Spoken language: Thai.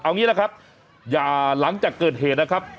เอางี้ละครับอย่าหลังจากเกิดเหตุนะครับ